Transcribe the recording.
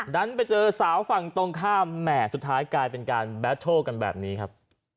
ดันไปเจอสาวฝั่งตรงข้ามแหม่สุดท้ายกลายเป็นการแบตโชคกันแบบนี้ครับ